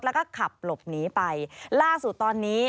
แล้วก็ขับหลบหนีไปล่าสุดตอนนี้